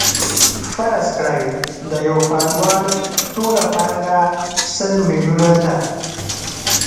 فرض کړئ د یو پانګوال ټوله پانګه سل میلیونه ده